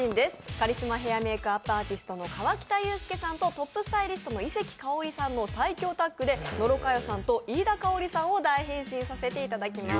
カリスマヘアメイクアップアーティストの河北裕介さんとトップスタイリストの井関かおりさんの最強タッグで野呂佳代さんと飯田圭織さんを大変身していただきます。